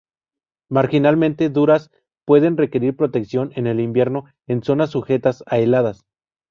Marginalmente duras, pueden requerir protección en el invierno en zonas sujetas a heladas.